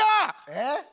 えっ？